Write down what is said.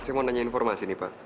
saya mau nanya informasi nih pak